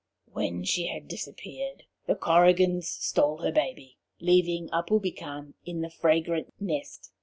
When she had disappeared, the Korrigans stole her baby, leaving a Poupican in the fragrant nest.